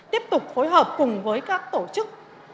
tiếp tục phối hợp cùng với các tổ chức